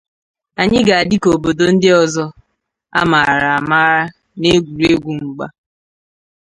anyị ga-adị ka obodo ndị ọzọ a maara amara n’egwuruegwu mgba.